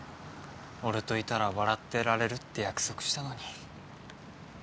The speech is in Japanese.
俺といたら笑ってられるって約束したのに。